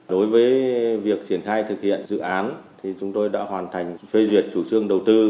đối với việc triển khai thực hiện dự án thì chúng tôi đã hoàn thành phê duyệt chủ trương đầu tư